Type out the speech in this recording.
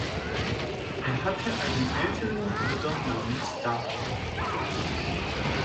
Er hatte einen älteren Bruder namens David.